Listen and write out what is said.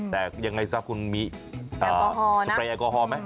แต่ยังไงซะคุณมีสเปรยแอลกอฮอลไหม